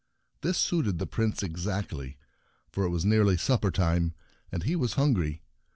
This suited the Prince exactly, for it was nearly supper time, and he was hungry.